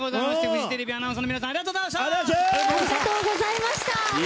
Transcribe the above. フジテレビアナウンサーの皆さんありがとうございました。